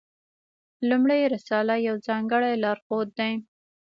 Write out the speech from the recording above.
لومړۍ رساله یو ځانګړی لارښود دی.